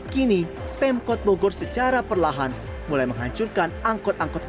kini pemkot bogor secara perlahan mulai menghancurkan angkot angkot